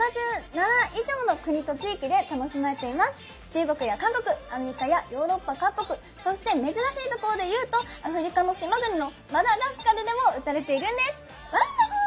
中国や韓国アメリカやヨーロッパ各国そして珍しいところでいうとアフリカの島国のマダガスカルでも打たれているんです。